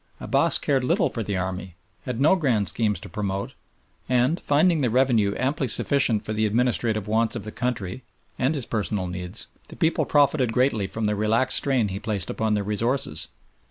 Abbass cared little for the army, had no grand schemes to promote, and finding the revenue amply sufficient for the administrative wants of the country and his personal needs, the people profited greatly from the relaxed strain he placed upon their resources.